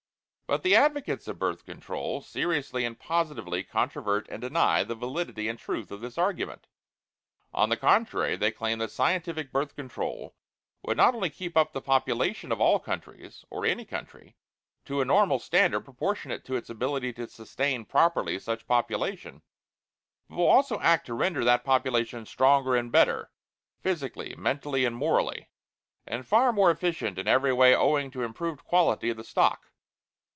But the advocates of Birth Control seriously and positively controvert and deny the validity and truth of this argument. On the contrary they claim that scientific Birth Control would not only keep up the population of all countries, or any country, to a normal standard proportionate to its ability to sustain properly such population, but will also act to render that population stronger and better, physically, mentally and morally, and far more efficient in every way owing to improved quality of the stock.